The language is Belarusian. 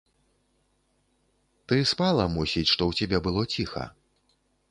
Ты спала, мусіць, што ў цябе было ціха?